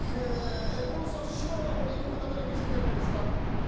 この冊子はいろんな方に見せてるんですか？